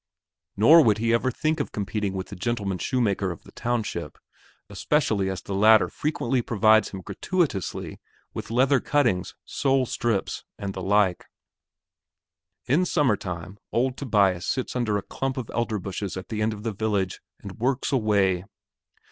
Nor would he ever think of competing with the gentleman shoemaker of the township, especially as the latter frequently provides him gratuitously with leather cuttings, sole strips, and the like. In summertime, old Tobias sits under a clump of elder bushes at the end of the village and works away.